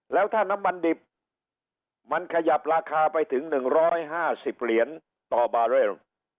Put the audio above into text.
แล้วถ้าน้ำมันดิบมันขยับราคาไปถึง๑๕๐เหรียญต่อบาเรล